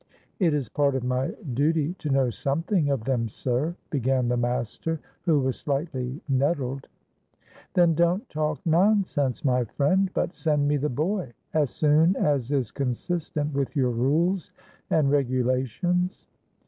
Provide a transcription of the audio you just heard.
"It is part of my duty to know something of them, sir," began the master, who was slightly nettled. "Then don't talk nonsense, my friend, but send me the boy, as soon as is consistent with your rules and regulations."